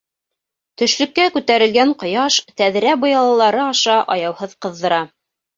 Төшлөккә күтәрелгән ҡояш тәҙрә быялалары аша аяуһыҙ ҡыҙҙыра.